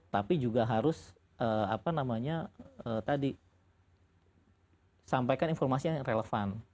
tapi juga harus apa namanya tadi sampaikan informasi yang relevan